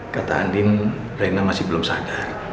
kata andin rena masih belum sadar